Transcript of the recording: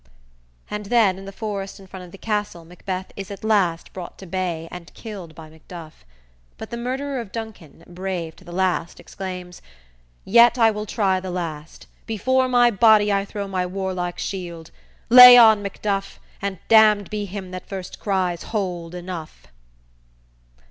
"_ And then, in the forest in front of the castle Macbeth is at last brought to bay and killed by Macduff; but the murderer of Duncan, brave to the last, exclaims: _"Yet I will try the last; before my body I throw my warlike shield; lay on Macduff, And damned be him that first cries, Hold, enough!"